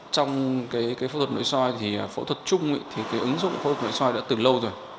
trong cái phẫu thuật nội soi thì phẫu thuật chung thì cái ứng dụng phẫu thuật nội soi đã từ lâu rồi